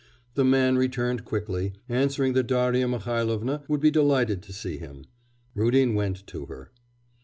The man returned quickly, answering that Darya Mihailovna would be delighted to see him. Rudin went to her.